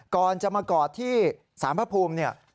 ก่อนจะมากอดที่สามพระภูมิ